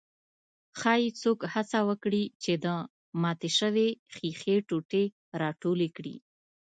ښايي څوک هڅه وکړي چې د ماتې شوې ښيښې ټوټې راټولې کړي.